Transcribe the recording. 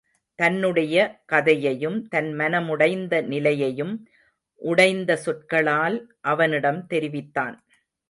தன்னுடைய கதையையும் தன் மனமுடைந்த நிலையையும் உடைந்த சொற்களால் அவனிடம் தெரிவித்தான்.